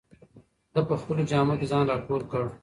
ده په خپلو جامو کې ځان راټول کړ.